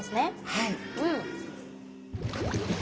はい。